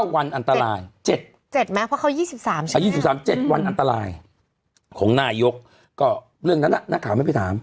๒๓๗วันอันตรายของนายกก็เรื่องนั้นน่ะนักข่าวไม่ไปถาม